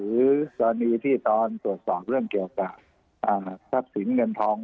หรือตอนที่ตอนสดศาสตร์เรื่องเกี่ยวกับทักษิณิกับเงินทอง